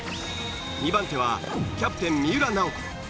２番手はキャプテン三浦奈保子。